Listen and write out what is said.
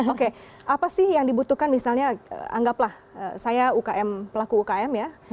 oke apa sih yang dibutuhkan misalnya anggaplah saya pelaku ukm ya